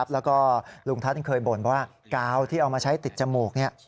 แล้วก็ลุงทัศน์เคยบ่นว่ากาวที่เอามาใช้ติดจมูก